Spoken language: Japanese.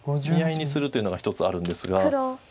見合いにするというのが一つあるんですが。